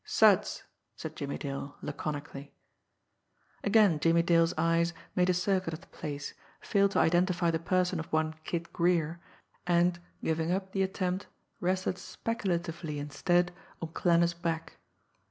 "Suds!" said Jimmie Dale laconically. Again Jimmie Dale's eyes made a circuit of the place, failed to identify the person of one Kid Greer, and, giving up the attempt, rested speculatively instead on Klanner's back.